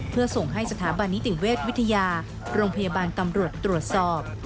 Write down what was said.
เพื่อส่งให้สถาบันนิติเวชวิทยาโรงพยาบาลตำรวจตรวจสอบ